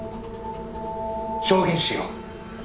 「証言しよう」